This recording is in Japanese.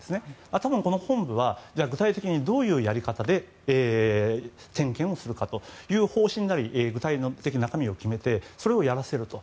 多分、この本部は具体的にどういうやり方で点検をするかという方針なり具体的な中身を決めてそれをやらせると。